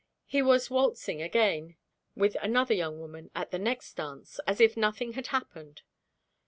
He was waltzing again, with another young woman, at the next dance, as if nothing had happened.